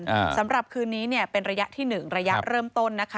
อ่าสำหรับคืนนี้เนี่ยเป็นระยะที่หนึ่งระยะเริ่มต้นนะคะ